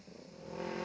nggak ada pakarnya